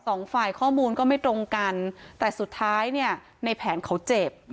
สองฝ่ายข้อมูลก็ไม่ตรงกันแต่สุดท้ายเนี่ยในแผนเขาเจ็บ